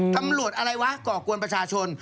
ตำรวจอะไรวะก่อกวนประชาชน